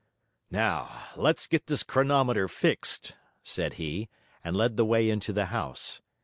'Now let's get this chronometer fixed,' said he, and led the way into the house.